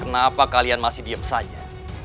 kenapa kalian masih diem saja